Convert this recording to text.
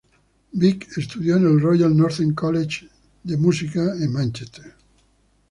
Vick estudió en el Royal Northern College of Music en Mánchester.